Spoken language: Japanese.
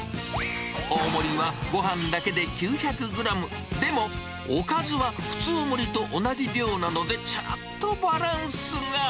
大盛りはごはんだけで９００グラム、でも、おかずは普通盛りと同じ量なので、ちょっとバランスが。